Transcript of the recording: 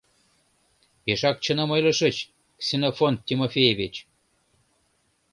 — Пешак чыным ойлышыч, Ксенофонт Тимофеевич!